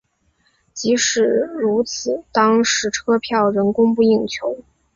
即使如此当时车票仍供不应求。